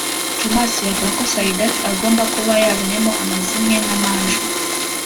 Tomasi yavugaga ko Saidati agomba kuba yazanyemo amazimwe n’amanjwe